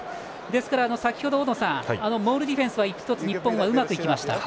ですから先程、大野さんモールディフェンスは１つ、日本がうまくいきました。